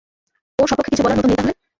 ওর স্বপক্ষে কিছু বলার মতো নেই তাহলে!